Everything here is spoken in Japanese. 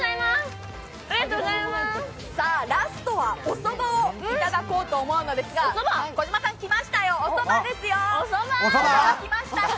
ラストは、おそばをいただこうと思うのですが、児嶋さん、来ましたよ、おそばですよ。